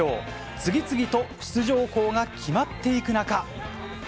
次々と出場校が決まっていく中。